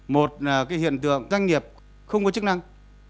một là cái hiện tượng doanh nghiệp không có chức năng